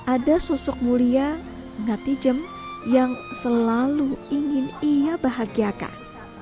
ada sosok mulia ngatijem yang selalu ingin ia bahagiakan